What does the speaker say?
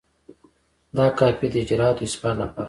دا کاپي د اجرااتو د اثبات لپاره ده.